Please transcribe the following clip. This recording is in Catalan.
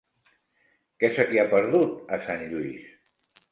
Què se t'hi ha perdut, a Sant Lluís?